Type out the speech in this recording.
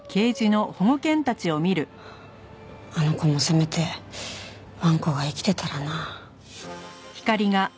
あの子もせめてわんこが生きてたらな。